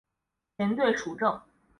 前队属正。